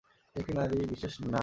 এটি একটি নারী বিশেষ নাম।